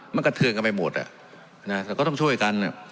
มันกระเทือนกันไปหมดแต่ก็ต้องช่วยกัน